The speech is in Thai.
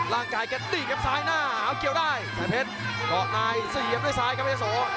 ล่างกายกัดดีกับซ้ายหน้าเขาเกี่ยวได้สายเพชรกรอกนายเสียบด้วยซ้ายครับเพชรโส